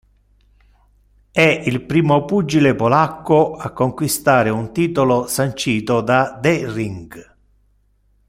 È il primo pugile polacco a conquistare un titolo sancito da "The Ring".